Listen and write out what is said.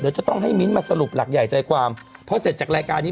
เดี๋ยวจะต้องให้มิ้นท์มาสรุปหลักใหญ่ใจความเพราะเสร็จจากรายการนี้